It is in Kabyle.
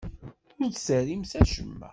Ur d-terrimt acemma.